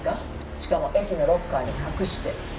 しかも駅のロッカーに隠して」